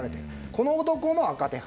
この男も赤手配。